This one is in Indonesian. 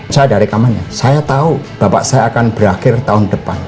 saya ada rekamannya saya tahu bapak saya akan berakhir tahun depan